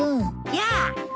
やあ。